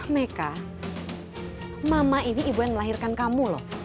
meka mama ini ibu yang melahirkan kamu loh